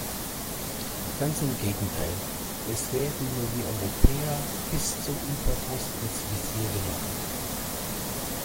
Ganz im Gegenteil: es werden nur wir Europäer bis zum Überdruss ins Visier genommen.